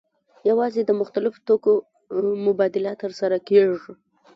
یوازې د مختلفو توکو مبادله ترسره کیږي.